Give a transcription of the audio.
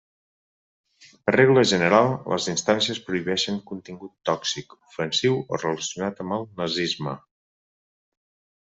Per regla general, les instàncies prohibeixen contingut tòxic, ofensiu o relacionat amb el nazisme.